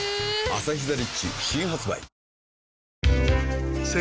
「アサヒザ・リッチ」新発売